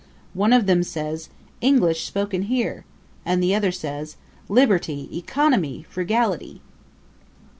One of them says: English Spoken Here! And the other says: Liberality! Economy! Frugality!